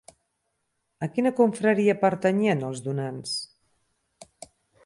A quina confraria pertanyien els donants?